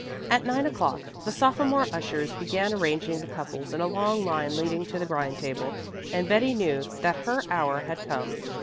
At nine o'clock the sophomore ushers began arranging the couples in a long line leading to the grind table, and Betty knew that her hour had come.